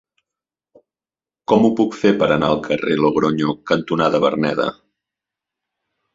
Com ho puc fer per anar al carrer Logronyo cantonada Verneda?